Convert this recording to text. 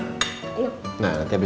nah nanti abis itu aku beli